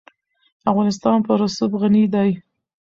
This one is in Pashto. افغانستان په رسوب غني دی.